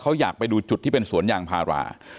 เขาอยากไปดูจุดที่เป็นสวนยางพารา